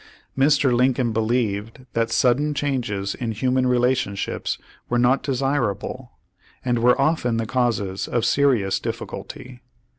Mr. Lincoln believed that sudden changes in human relationships were not desir able, and were often the causes of serious diffi culty.